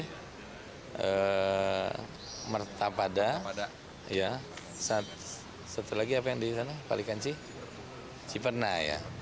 kemudian mertapada satu lagi apa yang di sana palikanci ciperna ya